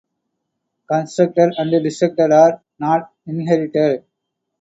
Constructors and destructors are not inherited.